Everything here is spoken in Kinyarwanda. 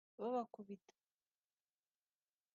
babakubita